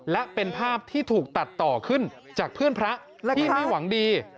และเป็นภาพที่ถูกตัดต่อขึ้นจากเพื่อนพระที่ไม่หวังดี